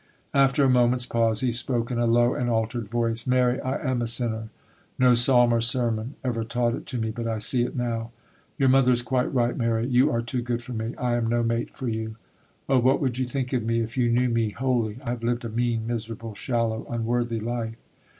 After a moment's pause, he spoke in a low and altered voice:— 'Mary, I am a sinner. No psalm or sermon ever taught it to me, but I see it now. Your mother is quite right, Mary; you are too good for me; I am no mate for you. Oh, what would you think of me, if you knew me wholly? I have lived a mean, miserable, shallow, unworthy life.